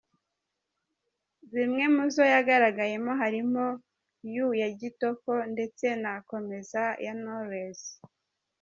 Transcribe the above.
zimwe mu zo yagaragayemo harimo ‘You’ ya Kitoko ndetse na ‘Komeza’ ya Knowless.